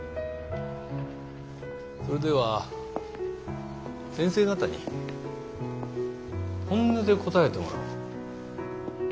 それでは先生方に本音で答えてもらおう。